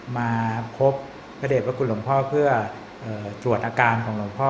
มาพบพระเด็จพระคุณหลวงพ่อเพื่อตรวจอาการของหลวงพ่อ